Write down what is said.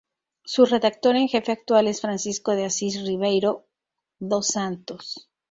Su redactor en jefe actual es Francisco de Assis Ribeiro dos Santos.